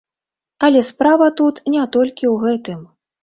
Але справа тут не толькі ў гэтым.